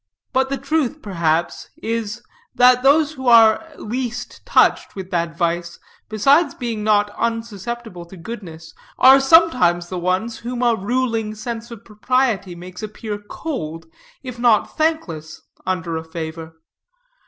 But the truth, perhaps, is, that those who are least touched with that vice, besides being not unsusceptible to goodness, are sometimes the ones whom a ruling sense of propriety makes appear cold, if not thankless, under a favor.